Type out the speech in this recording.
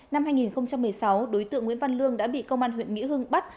năm hai nghìn một mươi sáu đối tượng nguyễn văn lương đã bị công an huyện nghĩa hưng bắt